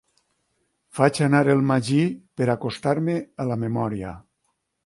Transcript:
Faig anar el magí per acostar-me a la memòria.